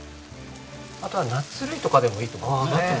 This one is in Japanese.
あとはナッツ類とかでもいいと思いますね。